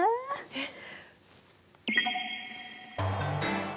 えっ？